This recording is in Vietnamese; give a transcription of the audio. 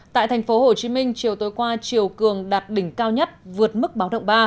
tại thành phố hồ chí minh chiều tối qua chiều cường đạt đỉnh cao nhất vượt mức báo động ba